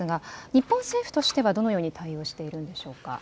日本政府としてはどのように対応しているんでしょうか。